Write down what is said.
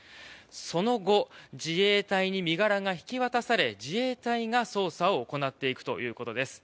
その後、自衛隊に身柄が引き渡され自衛隊が捜査を行っていくということです。